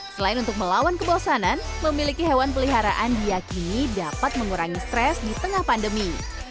selain untuk melawan kebosanan memiliki hewan peliharaan diakini dapat mengurangi stres di tengah pandemi